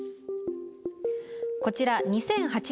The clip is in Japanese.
こちら２００８年７月